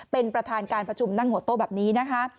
เป็นประธานการประชุมนั่งหัวโต๊ะแบบนี้นะคะ